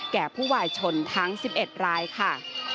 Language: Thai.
แก่ผู้วายชนทั้ง๑๑รายค่ะ